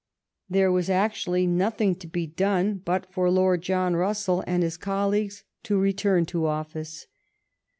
There was actu ally nothing to be done but for Lord John Russell and his colleagues to return to office.